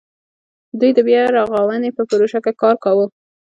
دوی د بیا رغاونې په پروژه کې کار کاوه.